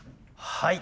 はい。